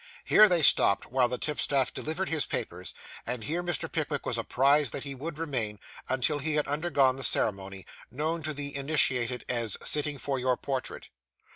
Here they stopped, while the tipstaff delivered his papers; and here Mr. Pickwick was apprised that he would remain, until he had undergone the ceremony, known to the initiated as 'sitting for your portrait.